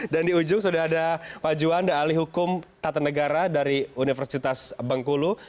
dan di ujung sudah ada pak juanda alih hukum tata negara dari universitas bangkulu